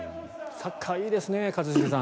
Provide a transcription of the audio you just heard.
サッカー、いいですね一茂さん。